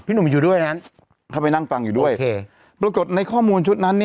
มีอยู่ด้วยหาไปนั่งปักอยู่ด้วยโปรโกรธในข้อมูลชุดนั้น